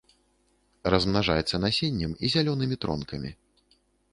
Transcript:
Размнажаецца насеннем і зялёнымі тронкамі.